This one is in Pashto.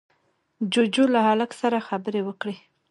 جُوجُو له هلک سره خبرې وکړې.